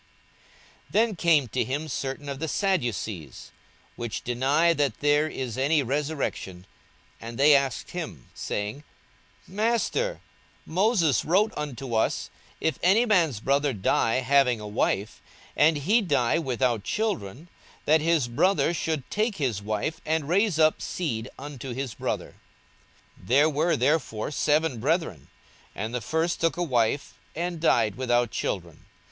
42:020:027 Then came to him certain of the Sadducees, which deny that there is any resurrection; and they asked him, 42:020:028 Saying, Master, Moses wrote unto us, If any man's brother die, having a wife, and he die without children, that his brother should take his wife, and raise up seed unto his brother. 42:020:029 There were therefore seven brethren: and the first took a wife, and died without children.